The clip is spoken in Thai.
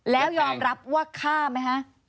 แล้วยอมรับว่าฆ่าไหมฮะ